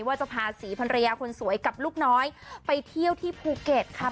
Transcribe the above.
ว่าจะพาศรีภรรยาคนสวยกับลูกน้อยไปเที่ยวที่ภูเก็ตค่ะ